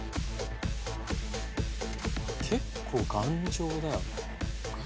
結構頑丈だよな。